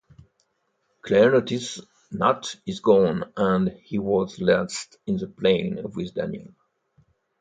Claire notices Nat is gone and he was last in the plane with Daniel.